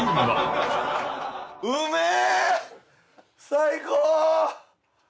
最高！